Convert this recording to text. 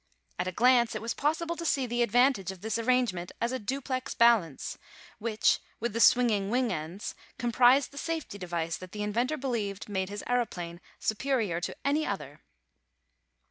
At a glance it was possible to see the advantage of this arrangement as a duplex balance, which, with the swinging wing ends, comprised the safety device that the inventor believed made his aëroplane superior to any other.